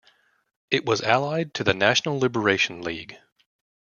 It was allied to the National Liberation League.